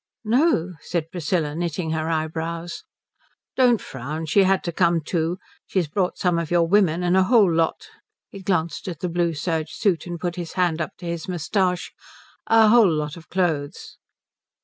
"No," said Priscilla, knitting her eyebrows. "Don't frown. She had to come too. She's brought some of your women and a whole lot" he glanced at the blue serge suit and put his hand up to his moustache "a whole lot of clothes."